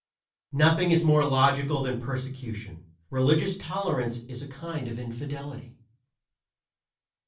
Nothing is more logical than persecution. Religious tolerance is a kind of infidelity.